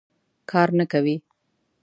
کار نه کوي.